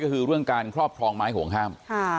ก็คือเรื่องการครอบครองไม้ห่วงห้าม